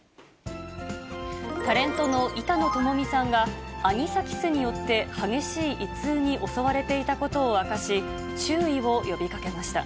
タレントの板野友美さんが、アニサキスによって激しい胃痛に襲われていたことを明かし、注意を呼びかけました。